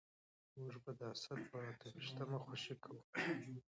موږ به د اسد په اته ويشتمه خوښي کوو.